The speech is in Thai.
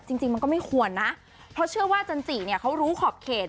จริงจริงมันก็ไม่ควรนะเพราะเชื่อว่าจันจิเนี่ยเขารู้ขอบเขต